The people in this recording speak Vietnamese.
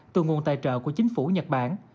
từ nguồn tài trợ của chính phủ nhật bản